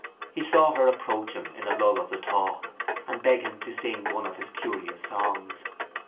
He saw her approach him in a lull of the talk and beg him to sing one of his curious songs.